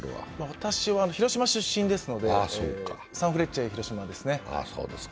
私は広島出身ですのでサンフレッチェ広島ですね。